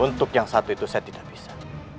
untuk yang satu itu saya tidak bisa